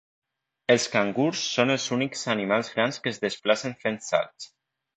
Els cangurs són els únics animals grans que es desplacen fent salts.